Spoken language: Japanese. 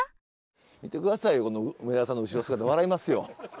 見て下さいよこの梅沢さんの後ろ姿笑いますよ。